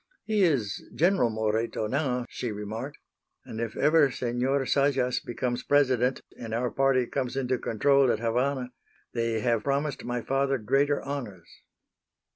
"He is General Moreto now," she remarked; "and if ever Senor Zayas becomes President and our party comes into control at Havana, they have promised my father greater honors."